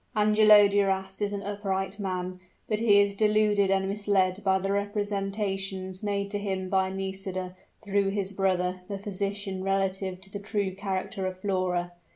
Angelo Duras is an upright man; but he is deluded and misled by the representations made to him by Nisida, through his brother, the physician, relative to the true character of Flora.